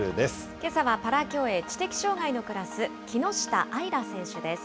けさはパラ競泳知的障害のクラス、木下あいら選手です。